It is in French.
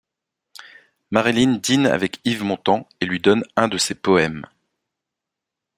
Marilyn dîne avec Yves Montand et lui donne un de ses poèmes.